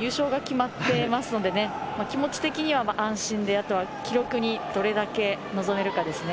優勝が決まっていますので気持ち的には安心であとは記録にどれだけ臨めるかですね。